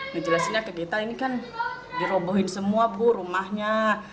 ngejelasinnya ke kita ini kan dirobohin semua bu rumahnya